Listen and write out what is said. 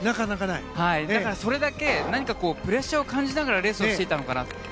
だからそれだけ何かプレッシャーを感じながらレースをしていたのかなと。